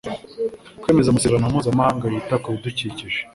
kwemeza amasezerano mpuzamahanga yita kubidukikije